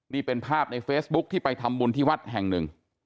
นี่เป็นภาพในเฟซบุ๊คที่ไปทำบุญที่วัดแห่งหนึ่ง